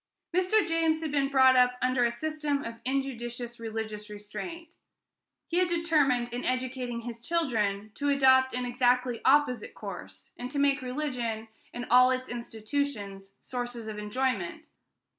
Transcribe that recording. Mr. James had been brought up under a system of injudicious religious restraint. He had determined, in educating his children, to adopt an exactly opposite course, and to make religion and all its institutions sources of enjoyment.